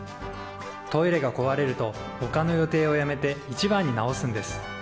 トイレがこわれるとほかの予定をやめて一番に直すんです。